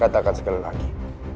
katakan sekali lagi